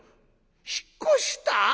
「引っ越した！？